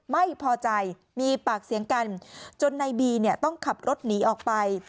ไม่พอใจมีปากเสียงกันจนในบีเนี่ยต้องขับรถหนีออกไป